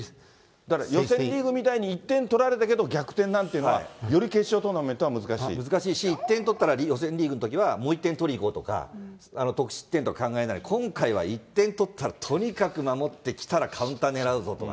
予選リーグみたいに、１点取られたけど逆転なんていうのは、難しいし、点取ったら、予選リーグのときはもう１点取りいこうとか、得失点とか考えない、今回は１点取ったら、とにかく守ってきたら、カウンター狙うぞとか。